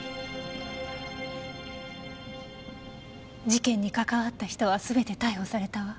事件に関わった人は全て逮捕されたわ。